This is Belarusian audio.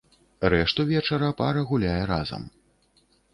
Рэшту вечара пара гуляе разам.